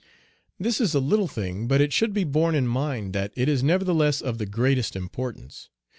This is a little thing, but it should be borne in mind that it is nevertheless of the greatest importance.